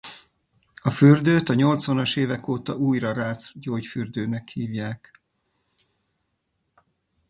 A fürdőt a nyolcvanas évek óta újra Rác gyógyfürdőnek hívják.